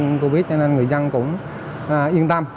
trong cái thời điểm covid cho nên người dân cũng yên tâm